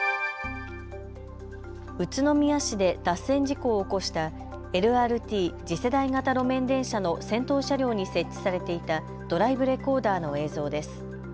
宇都宮市で脱線事故を起こしたＬＲＴ・次世代型路面電車の先頭車両に設置されていたドライブレコーダーの映像です。